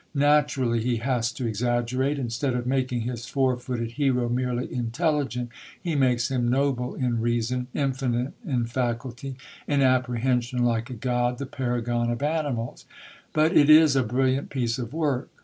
Naturally he has to exaggerate; instead of making his four footed hero merely intelligent, he makes him noble in reason, infinite in faculty, in apprehension like a god, the paragon of animals. But it is a brilliant piece of work.